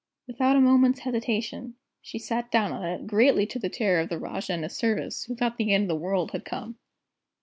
Without a moment's hesitation, she sat down on it, greatly to the terror of the Rajah and his servants, who thought the end of the world had come.